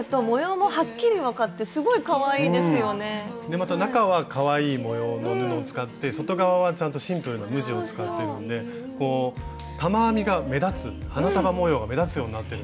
また中はかわいい模様の布を使って外側はちゃんとシンプルな無地を使ってるんで玉編みが目立つ花束模様が目立つようになってるんですね。